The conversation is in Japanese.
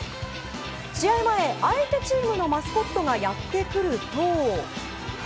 試合前、相手チームのマスコットがやってくると。